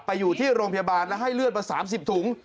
อยู่ที่โรงพยาบาลและให้เลือดมา๓๐ถุง